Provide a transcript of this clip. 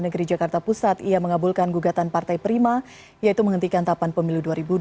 negeri jakarta pusat ia mengabulkan gugatan partai prima yaitu menghentikan tahapan pemilu